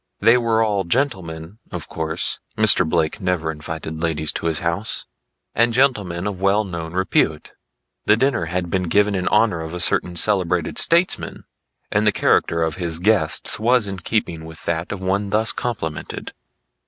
They were all gentlemen of course Mr. Blake never invited ladies to his house and gentlemen of well known repute. The dinner had been given in honor of a certain celebrated statesman, and the character of his guests was in keeping with that of the one thus complimented.